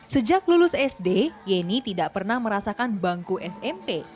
sejak lulus sd yeni tidak pernah merasakan bangku smp